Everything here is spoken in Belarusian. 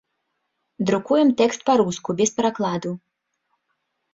Друкуем тэкст па-руску, без перакладу.